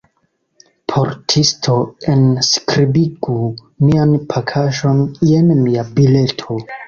Portisto, enskribigu mian pakaĵon, jen mia bileto.